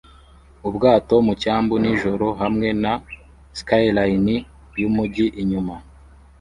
Ubwato mu cyambu nijoro hamwe na skyline yumujyi inyuma